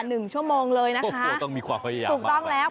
หนึ่งชั่วโมงเลยนะคะโอ้ต้องมีความพยายามถูกต้องแล้ว